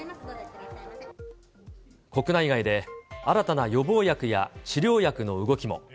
国内外で新たな予防薬や治療薬の動きも。